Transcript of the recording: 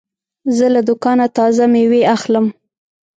زه له دوکانه تازه مېوې اخلم.